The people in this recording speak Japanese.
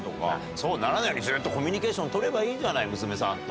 そうならないように、ずっとコミュニケーション取ればいいじゃない、娘さんと。